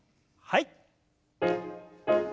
はい。